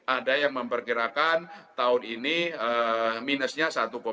ada yang memperkirakan tahun ini minusnya satu tujuh